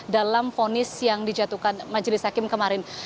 dalam vonis yang dijatuhkan majelis hakim kemarin